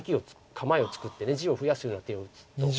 構えを作って地を増やすような手を打つと思います。